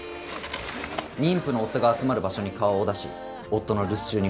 妊婦の夫が集まる場所に顔を出し夫の留守中に強盗を行う。